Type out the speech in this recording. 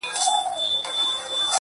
ه چیري یې د کومو غرونو باد دي وهي,